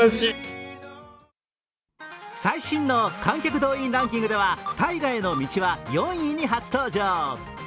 最新の観客動員ランキングでは「大河への道」は４位に初登場。